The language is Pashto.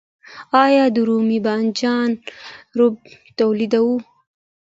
آیا د رومي بانجان رب تولیدوو؟